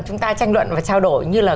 chúng ta tranh luận và trao đổi như là